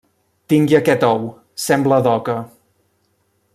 Tingui aquest ou, sembla d’oca.